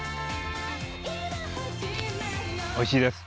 おいしいです。